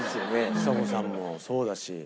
ちさ子さんもそうだし。